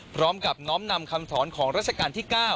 พร้อมกับน้อมนำคำถอนของราชการที่๙